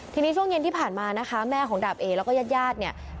ทีนี้ช่วงเย็นที่ผ่านมานะคะแม่ของดาบเอแล้วก็ญาติญาติเนี่ย